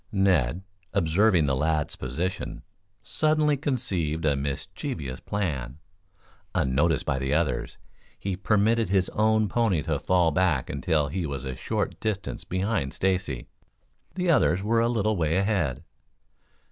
Ned, observing the lad's position, suddenly conceived a mischievous plan. Unnoticed by the others, he permitted his own pony to fall back until he was a short distance behind Stacy. The others were a little way ahead.